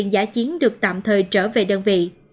bệnh viện giải chiến được tạm thời trở về đơn vị